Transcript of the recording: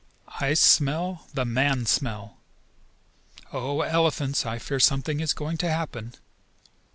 I smell the man smell! Oh, elephants, I fear something is going to happen."